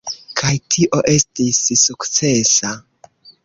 Kaj tio estis sukcesa.